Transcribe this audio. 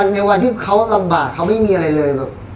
ในวันที่มันลำบัดมันไม่มีอะไรเลย